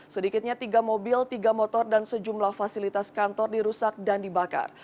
sedikitnya tiga mobil tiga motor dan sejumlah fasilitas kantor dirusak dan dibakar